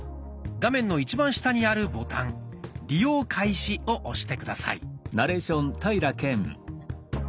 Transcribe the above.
画面の一番下にあるボタン「利用開始」を押して下さい。